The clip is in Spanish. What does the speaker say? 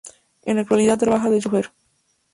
En la actualidad trabaja de chófer.